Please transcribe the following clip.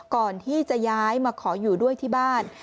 ก่อนที่จะย้ายมาขออยู่ด้วยที่บ้าน